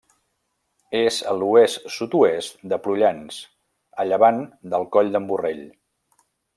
És a l'oest-sud-oest de Prullans, a llevant del Coll d'en Borrell.